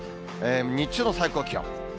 日中の最高気温。